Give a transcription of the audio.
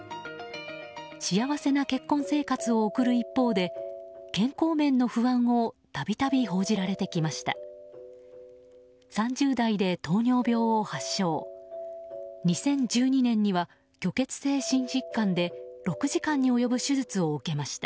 幸せな結婚生活を送る一方で健康面の不安を度々、報じられてきました。